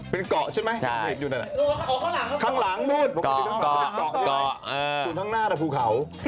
เป็นเกาะใช่ไหมอยู่นั่นแหละข้างหลังนู้นเป็นเกาะใช่ไหมสู่ข้างหน้าแต่ภูเขา